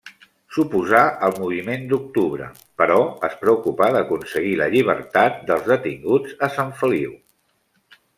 S'oposà al moviment d'octubre, però es preocupà d'aconseguir la llibertat dels detinguts a Sant Feliu.